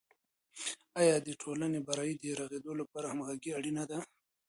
آیا د ټولني برایې د رغیدو لپاره همغږي اړینه ده؟